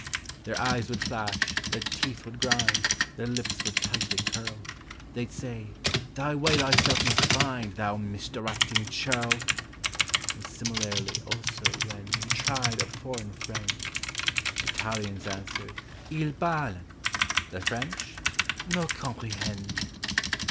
Their eyes would flash their teeth would grind Their lips would tightly curl They'd say, "Thy way thyself must find, Thou misdirecting churl!" And, similarly, also, when He tried a foreign friend; Italians answered, "Il balen" The French, "No comprehend."